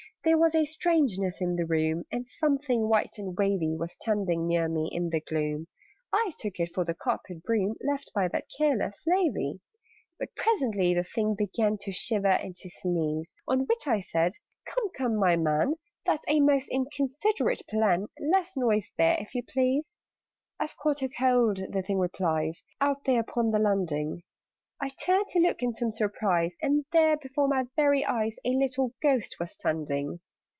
There was a strangeness in the room, And Something white and wavy Was standing near me in the gloom I took it for the carpet broom Left by that careless slavey. But presently the Thing began To shiver and to sneeze: On which I said "Come, come, my man! That's a most inconsiderate plan. Less noise there, if you please!" "I've caught a cold," the Thing replies, "Out there upon the landing." I turned to look in some surprise, And there, before my very eyes, A little Ghost was standing!